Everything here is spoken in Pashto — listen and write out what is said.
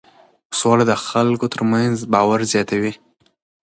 سوله د خلکو ترمنځ باور زیاتوي.